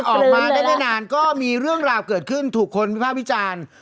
ออกมาได้ไม่นานก็มีเรื่องราวเกิดขึ้นถูกคนวิภาพวิจารณ์